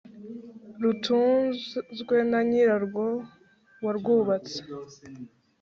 Rutunzwe na nyirarwo warwubatse